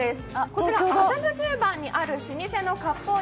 こちら麻布十番にある老舗のかっぽう